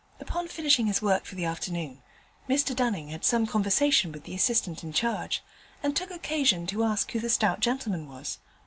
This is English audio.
Upon finishing his work for the afternoon, Mr Dunning had some conversation with the assistant in charge, and took occasion to ask who the stout gentleman was.